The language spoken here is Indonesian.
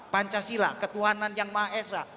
pancasila ketuhanan yang ma'esah